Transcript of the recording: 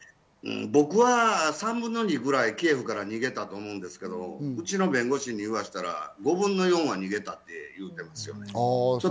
僕は３分の２ぐらいキエフから逃げたと思うんですけど、うちの弁護士にいわせたら、５分の４は逃げたと言ってますね。